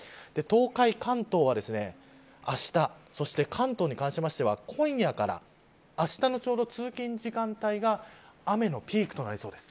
東海、関東はあしたそして関東に関しては今夜からあしたの、ちょうど通勤時間帯が雨のピークとなりそうです。